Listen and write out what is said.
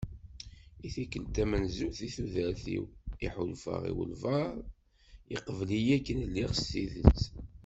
I tikkelt tamenzut deg tudert-iw i ḥulfaɣ i wabɛaḍ yeqbel-iyi akken lliɣ s tidet.